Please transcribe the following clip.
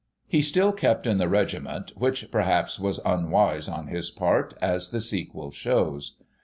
He still kept in the regiment, which, perhaps, was unwise on his part, as the sequel shows.